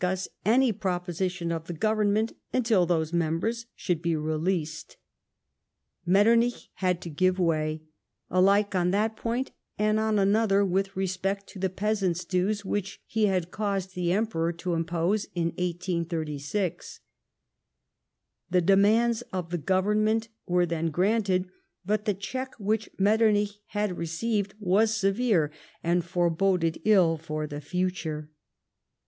s any ])roposition of the Government until those members should be released. Metternicli had to give way, alike on that point and on another with respect to the peasants' dues which he had caused the Emperor to impose in 1836. The demands of the Government were then granted, but the check which Metternich had received "was severe, and foreboded ill for the future.